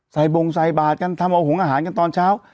บงใส่บาทกันทำเอาหงอาหารกันตอนเช้า